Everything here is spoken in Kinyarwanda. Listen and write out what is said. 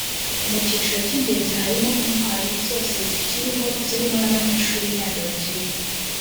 Mu cyiciro cy’Ingenzi harimo intwari zose zikiriho zirimo n’abanyeshuri b’i Nyange bakiriho